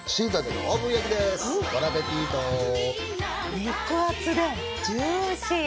肉厚でジューシー。